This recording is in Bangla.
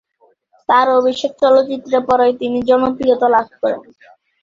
তার অভিষেক চলচ্চিত্রের পরই তিনি জনপ্রিয়তা লাভ করেন।